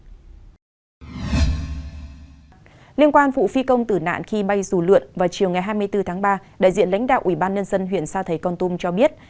liên quan vụ phi công tử nạn khi bay dù lượn vào chiều ngày hai mươi bốn tháng ba đại diện lãnh đạo ubnd huyện sa thầy con tùm cho biết